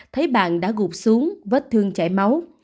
thấy bạn đã gục xuống vết thương chảy máu